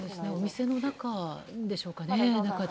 お店の中でしょうか。